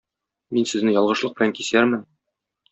Мин сезне ялгышлык белән кисәрмен.